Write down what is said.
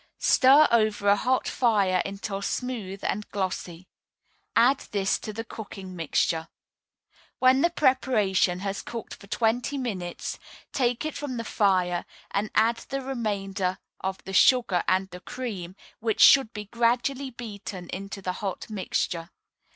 Stir over a hot fire until smooth and glossy. Add this to the cooking mixture. When the preparation has cooked for twenty minutes, take it from the fire and add the remainder of the sugar and the cream, which should be gradually beaten into the hot mixture.